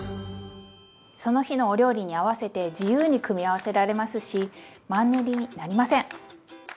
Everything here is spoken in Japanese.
その日のお料理に合わせて自由に組み合わせられますしマンネリになりません！